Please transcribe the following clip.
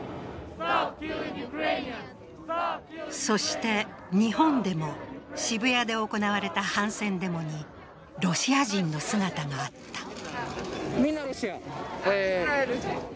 そして日本でも、渋谷で行われた反戦デモにロシア人の姿があった。